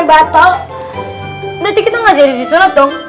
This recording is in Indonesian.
berarti kita gak jadi disunat dong